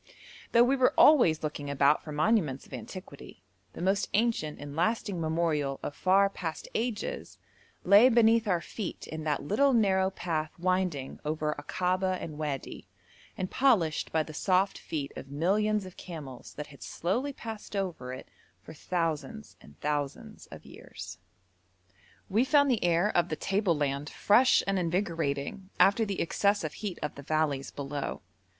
Though we were always looking about for monuments of antiquity, the most ancient and lasting memorial of far past ages lay beneath our feet in that little narrow path winding over Akaba and Wadi, and polished by the soft feet of millions of camels that had slowly passed over it for thousands and thousands of years. We found the air of the table land fresh and invigorating after the excessive heat of the valleys below.